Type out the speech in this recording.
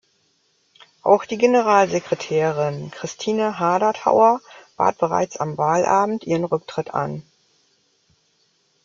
Auch die Generalsekretärin Christine Haderthauer bat bereits am Wahlabend ihren Rücktritt an.